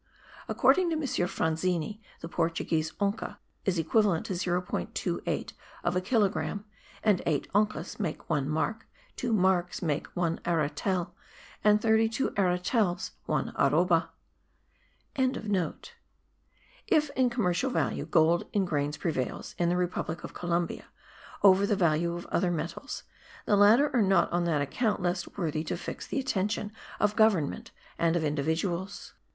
According to M. Franzini the Portuguese onca is equal to 0.028 of a kilogramme, and 8 oncas make 1 mark; 2 marks make 1 arratel, and 32 arratels 1 arroba.) If, in commercial value, gold in grains prevails, in the republic of Columbia, over the value of other metals, the latter are not on that account less worthy to fix the attention of government and of individuals.